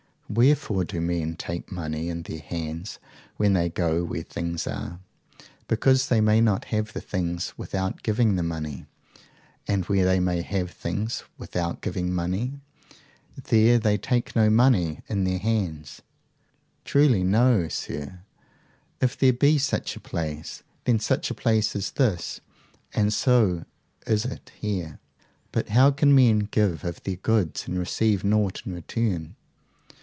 Wherefore do men take money in their hands when they go where things are? Because they may not have the things without giving the money. And where they may have things without giving money, there they take no money in their hands? Truly no, sir, if there be such a place. Then such a place is this, and so is it here. But how can men give of their goods and receive nought in return?